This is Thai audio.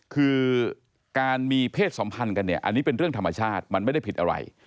คือการมีเพศสัมพันธ์กันเนี่ยอันนี้เป็นเรื่องธรรมชาติมันไม่ได้ผิดอะไร